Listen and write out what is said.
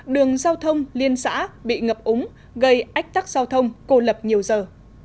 đường giao thông liên xã bị ngập úng gây ách tắc giao thông cô lập nhiều giờ